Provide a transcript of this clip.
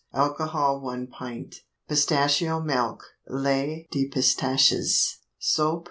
Alcohol 1 pint. PISTACHIO MILK (LAIT DE PISTACHES). Soap.